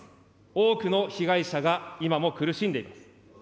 多くの被害者が今も苦しんでいます。